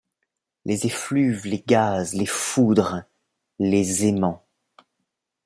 Les effluves, les gaz, les foudres ; les aimants